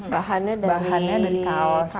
bahannya dari kaos